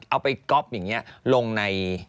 เอาไปก๊อปอย่างนี้ลงใน